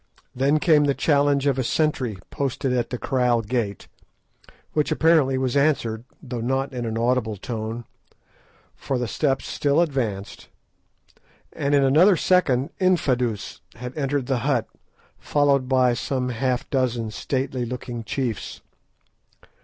Then came the challenge of a sentry posted at the kraal gate, which apparently was answered, though not in an audible tone, for the steps still advanced; and in another second Infadoos had entered the hut, followed by some half dozen stately looking chiefs.